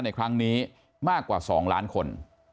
ในครั้งนี้มากกว่า๒ล้านคน